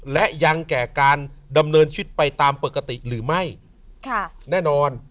และยังแก่การดำเนินชีวิตไปตามปกติหรือไม่ค่ะแน่นอน